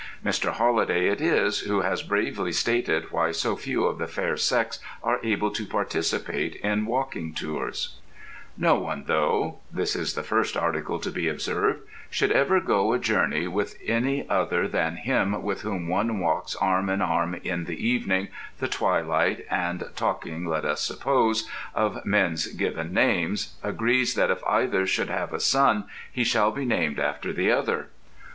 Mr. Holliday it is who has bravely stated why so few of the fair sex are able to participate in walking tours: No one, though (this is the first article to be observed), should ever go a journey with any other than him with whom one walks arm in arm, in the evening, the twilight, and, talking (let us suppose) of men's given names, agrees that if either should have a son he shall be named after the other.